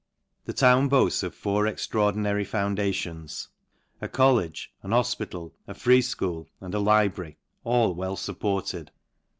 The town boafts of four extraordinary, found a .. tions, a college, an hofpital, a free fchool, and a library, all well fupported.